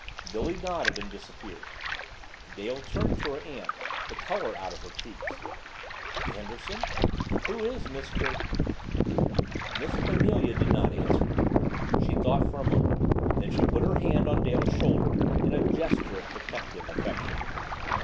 Billy nodded and disappeared. Dale turned to her aunt, the color out of her cheeks. "Anderson? Who is Mr. " Miss Cornelia did not answer. She thought for a moment. Then she put her hand on Dale's shoulder in a gesture of protective affection.